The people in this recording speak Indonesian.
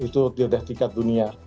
itu tidak tingkat dunia